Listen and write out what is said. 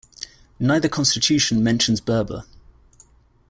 Neither constitution mentions Berber.